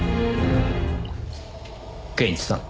健一さん。